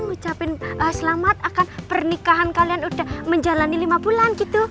mengucapkan selamat akan pernikahan kalian udah menjalani lima bulan gitu